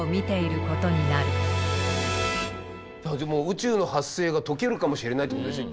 宇宙の発生が解けるかもしれないってことですよ。